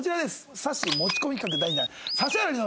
さっしー持ち込み企画第２弾。